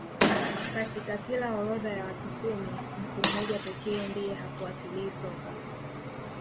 Katika kila orodha ya watu kumi mtu mmoja pekee ndiye hafuatilii soka